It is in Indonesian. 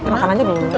makan aja dulu